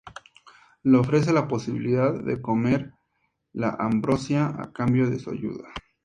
Le ofrece la posibilidad de comer la ambrosía a cambio de su ayuda.